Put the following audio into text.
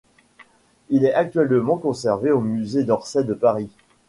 Il est actuellement conservé au Musée d'Orsay de Paris.